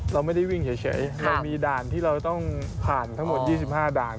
เราไม่ได้วิ่งเฉยเรามีด่านที่เราต้องผ่านทั้งหมด๒๕ด่าน